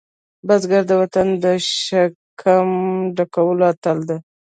بزګر د وطن د شکم ډکولو اتل دی